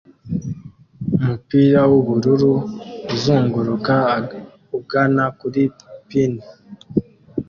Umupira w'ubururu uzunguruka ugana kuri pin